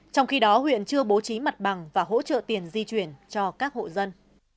trong khi đó huyện chưa bố trí mặt bằng và hỗ trợ tiền di chuyển cho các hộ dân